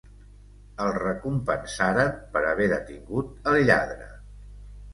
El recompensaren per haver detingut el lladre.